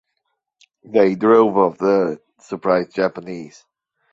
They drove off the surprised Japanese.